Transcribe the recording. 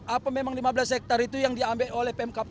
apa memang lima belas hektare itu yang diambil oleh pemkap